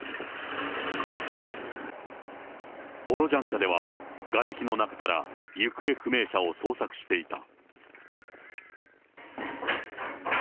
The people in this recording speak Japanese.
ボロジャンカでは、がれきの中から行方不明者を捜索していた。